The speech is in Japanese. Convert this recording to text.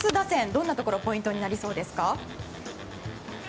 どんなところがポイントになりそうですか？